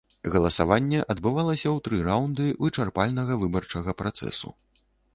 Галасаванне адбывалася ў тры раўнды вычарпальнага выбарчага працэсу.